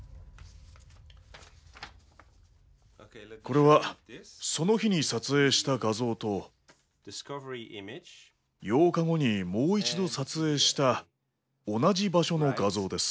これはその日に撮影した画像と８日後にもう一度撮影した同じ場所の画像です。